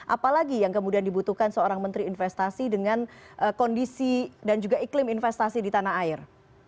apalagi yang kemudian dibutuhkan seorang menteri investasi dengan kondisi dan juga iklim investasi di tanah air